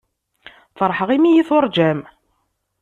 Feṛḥeɣ imi iyi-tuṛǧam.